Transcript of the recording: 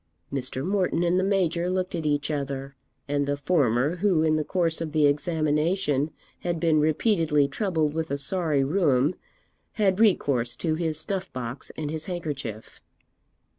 Mr. Morton and the Major looked at each other; and the former, who, in the course of the examination, had been repeatedly troubled with a sorry rheum, had recourse to his snuff box and his handkerchief.